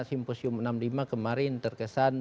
simposium enam puluh lima kemarin terkesan